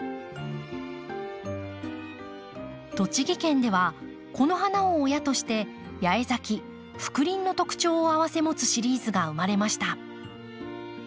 栃木県ではこの花を親として八重咲き覆輪の特徴を併せ持つシリーズが生まれました。